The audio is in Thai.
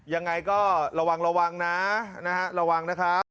ยังไงก็ระวังระวังนะระวังนะครับ